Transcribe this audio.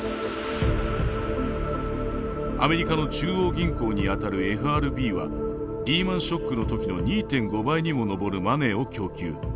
アメリカの中央銀行にあたるＦＲＢはリーマンショックの時の２．５倍にも上るマネーを供給。